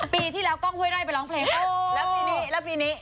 ปีที่แล้วกล้องห้วยไร่ไปร้องเพลงมาแล้วปีนี้แล้วปีนี้